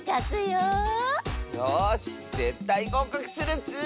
よしぜったいごうかくするッス！